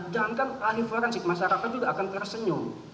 jangan kan ahli forensic masyarakat juga akan tersenyum